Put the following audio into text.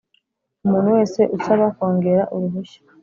umuntu wese usaba kongera uruhushya